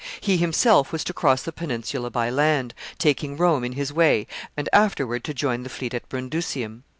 He himself was to cross the peninsula by land, taking Rome in his way, and afterward to join the fleet at Brundusium.